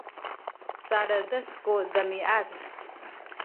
caledes ku demiad